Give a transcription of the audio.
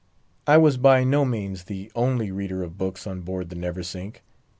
I was by no means the only reader of books on board the Neversink.